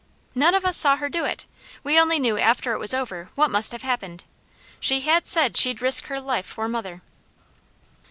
None of us saw her do it. We only knew after it was over what must have happened. She had said she'd risk her life for mother.